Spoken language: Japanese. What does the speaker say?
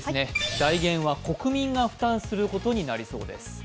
来年は国民が負担することになりそうです。